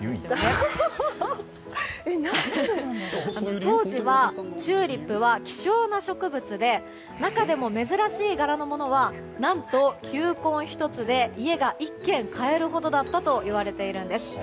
当時はチューリップは希少な植物で中でも珍しい柄のものは何と、球根１つで家が１軒買えるほどだったといわれているんです。